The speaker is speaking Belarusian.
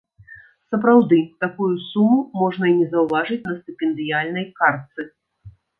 Сапраўды, такую суму можна і не заўважыць на стыпендыяльнай картцы.